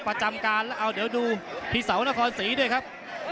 ประจำการแล้วเอาเดี๋ยวดูพี่เสานครศรีด้วยครับ